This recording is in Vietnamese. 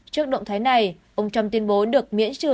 trước động thái này ông trump tuyên bố được miễn trừ